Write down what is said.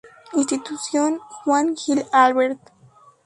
Institución Juan Gil Albert.